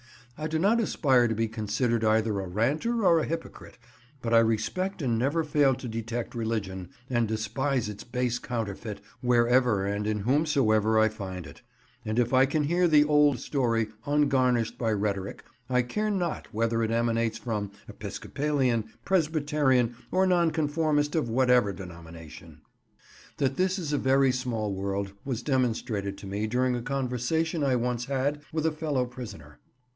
I do not aspire to be considered either a ranter or a hypocrite, but I respect and never fail to detect religion, and despise its base counterfeit wherever and in whomsoever I find it; and if I can hear the "old story" ungarnished by rhetoric, I care not whether it emanates from Episcopalian, Presbyterian, or Nonconformist of whatever denomination. That this is a very small world was demonstrated to me during a conversation I once had with a fellow prisoner.